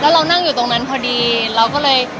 เรานั่งอยู่ตรงนั้นพอดีเราก็เลย